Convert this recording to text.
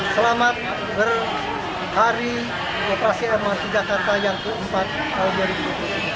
selamat berhari operasi mrt jakarta yang keempat tahun ini